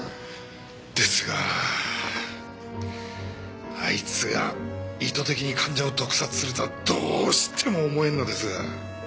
ですがあいつが意図的に患者を毒殺するとはどうしても思えんのです。